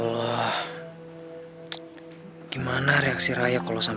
bagaimana channel blognya ibu sih